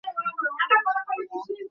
আমাকে ভালো বাসিস?